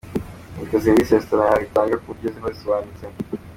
Andika serivisi restaurant yawe itanga ku buryo ziba zisobanutse.